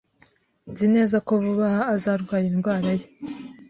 Nzi neza ko vuba aha azarwara indwara ye.